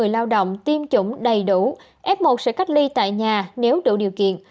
nếu không có tiêm chủng đầy đủ f một sẽ cách ly tại nhà nếu đủ điều kiện